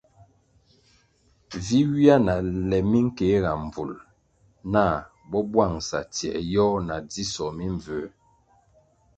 Vi ywia na le minkeega mbvul nah bo bwangʼsa tsie yoh na dzisoh mimbvū.